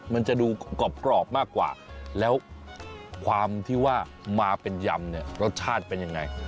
มันจะดูกรอบมากกว่าแล้วความที่ว่ามาเป็นยำเนี่ยรสชาติเป็นยังไง